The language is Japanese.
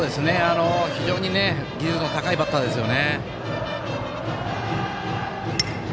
非常に技術の高いバッターですよね。